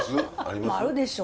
あるでしょ。